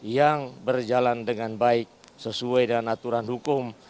yang berjalan dengan baik sesuai dengan aturan hukum